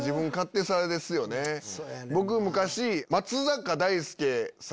僕昔。